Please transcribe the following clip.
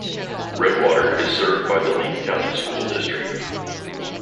Redwater is served by the Leake County School District.